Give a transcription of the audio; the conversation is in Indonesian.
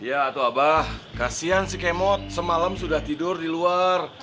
iya tuh abah kasihan si kemot semalam sudah tidur di luar